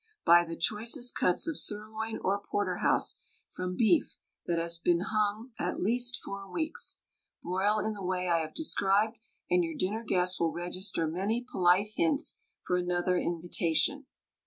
Buy the choicest cuts of sirloin or porterhouse from beef that has been hung at THE STAG COOK BOOK least four weeks; broil in the way I have described and your dinner guests will register many polite hints for an other invitation.